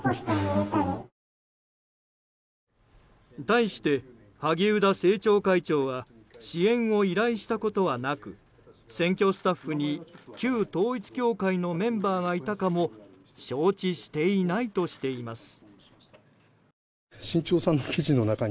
対して萩生田政調会長は支援を依頼したことはなく選挙スタッフに旧統一教会のメンバーがいたかも承知していないとしています。